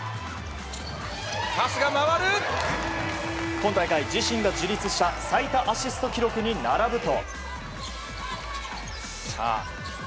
今大会、自身が樹立した最多アシスト記録に並ぶと。